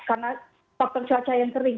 karena faktor cuaca yang kering